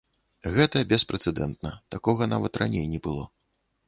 Гэта беспрэцэдэнтна, такога нават раней не было.